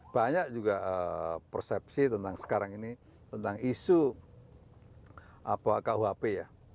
banyak juga persepsi tentang sekarang ini tentang isu kuhp ya